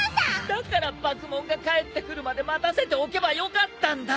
だからバクモンが帰ってくるまで待たせておけばよかったんだ！